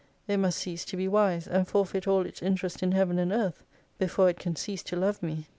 It must cease to be wise, and forfeit all its interest in Heaven and Earth, before it can cease to love me.